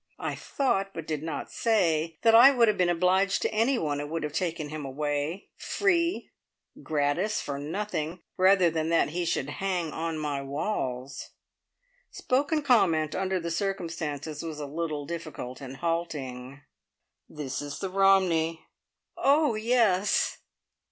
I thought, but did not say, that I would have been obliged to anyone who would have taken him away, free, gratis, for nothing, rather than that he should hang on my walls. Spoken comment, under the circumstances, was a little difficult and halting! "This is the Romney." "Oh yes."